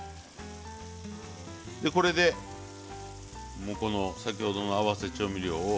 これで先ほどの合わせ調味料を。